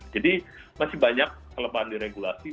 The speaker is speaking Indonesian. jadi masih banyak kelembahan di regulasi